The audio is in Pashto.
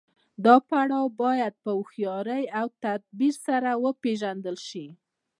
دا پړاو باید په هوښیارۍ او تدبیر سره وپیژندل شي.